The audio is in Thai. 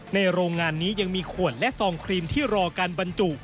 โรงงานนี้ยังมีขวดและซองครีมที่รอการบรรจุ